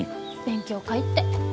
勉強会って。